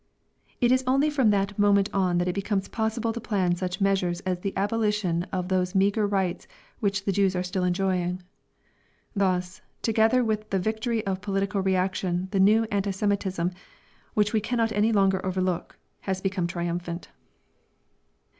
It is only from that moment on that it became possible to plan such measures as the abolition of those meagre rights which the Jews are still enjoying. Thus, together with the victory of political reaction the new anti Semitism, which we cannot any longer overlook, has become triumphant.